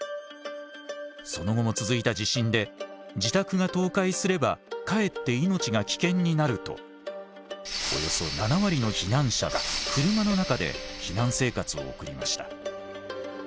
その後も続いた地震で自宅が倒壊すればかえって命が危険になるとおよそ７割の避難者が車の中で避難生活を送りました。